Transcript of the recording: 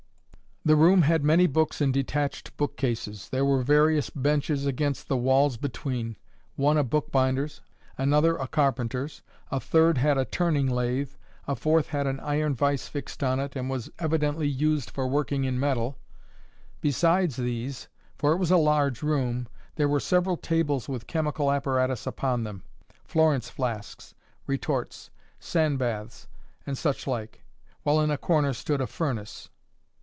The room had many books in detached book cases. There were various benches against the walls between,—one a bookbinder's; another a carpenter's; a third had a turning lathe; a fourth had an iron vice fixed on it, and was evidently used for working in metal. Besides these, for it was a large room, there were several tables with chemical apparatus upon them, Florence flasks, retorts, sand baths, and such like; while in a corner stood a furnace.